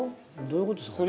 どういうことですか？